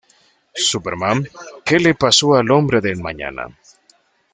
Superman: ¿Que le pasó al hombre del mañana?